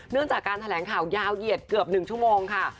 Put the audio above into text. เรื่องจากการแถลงข่าวยาวเหยียดเกือบ๑ชั่วโมงค่ะ